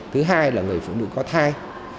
thứ hai là người phụ nữ có thai